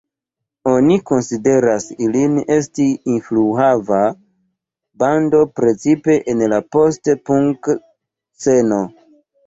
Oni konsideras ilin esti influhava bando precipe en la post-punk-sceno.